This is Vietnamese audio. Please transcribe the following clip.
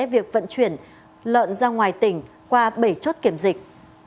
việc vận chuyển lợn ra ngoài tỉnh qua bảy chốt kiểm dịch